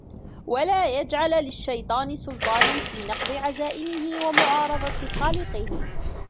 وَلَا يَجْعَلَ لِلشَّيْطَانِ سُلْطَانًا فِي نَقْضِ عَزَائِمِهِ وَمُعَارَضَةِ خَالِقِهِ